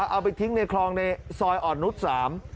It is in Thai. เอาไปทิ้งในคลองในซอยอ่อนนุษย์สาม